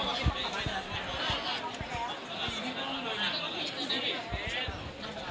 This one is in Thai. เมื่อเวลาอันดับสุดท้ายมันกลายเป็นอันดับสุดท้ายที่สุดท้าย